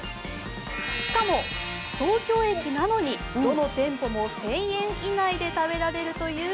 しかも東京駅なのにどの店舗も１０００円以内で食べられるという